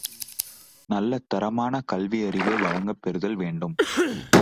நல்ல தரமான கல்வியறிவு வழங்கப்பெறுதல் வேண்டும்.